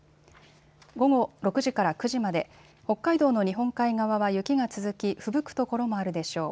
午後６時から９時まで、北海道の日本海側は雪が続きふぶく所もあるでしょう。